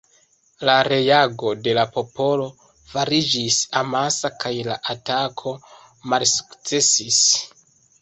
La reago de la popolo fariĝis amasa kaj la atako malsukcesis.